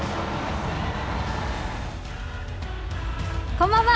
こんばんは。